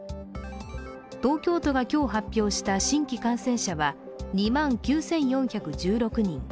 東京都が今日発表した新規感染者は２万９４１６人。